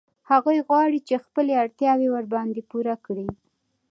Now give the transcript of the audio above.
هغوی غواړي چې خپلې اړتیاوې ورباندې پوره کړي